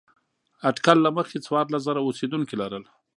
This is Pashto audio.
اټکل له مخې څوارلس زره اوسېدونکي لرل.